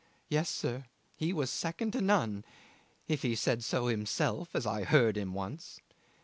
Yes, sir. He was second to none if he said so himself, as I heard him once.